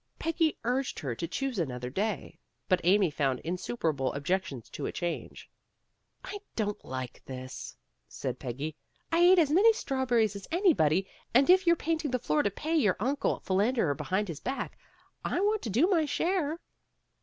Peggy urged her to choose another day, but Amy found insuperable objections to a change. "But I don't like this," said Peggy. "I ate as many strawberries as anybody, and if you 're painting the floor to pay your uncle Philander Behind His Back, I want to do my share."